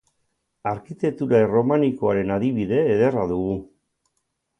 Arkitektura erromanikoaren adibide ederra dugu.